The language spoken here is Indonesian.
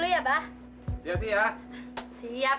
t'ing ah bahasanya t'ah ketinggian